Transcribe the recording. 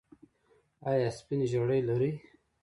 ایا سپین زیړی لرئ؟